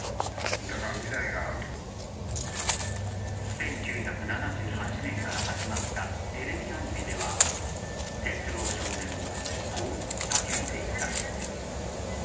１９７８年から始まったテレビアニメでは鉄郎少年も、こう叫んでいた。